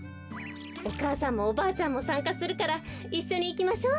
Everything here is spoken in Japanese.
お母さんもおばあちゃんもさんかするからいっしょにいきましょう。